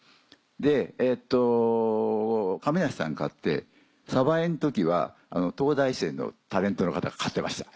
えっと亀梨さん買って鯖江の時は東大生のタレントの方が買ってました。